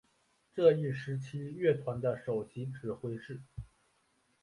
这一时期乐团的首席指挥是。